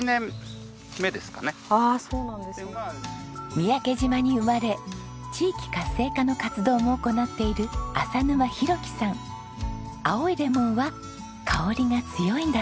三宅島に生まれ地域活性化の活動も行っている青いレモンは香りが強いんだそうです。